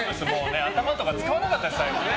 頭とか使わなかったですね